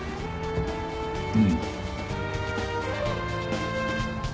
うん。